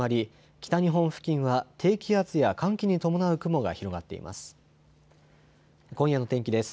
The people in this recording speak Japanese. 北日本付近は低気圧や寒気に伴う雲が広がっています。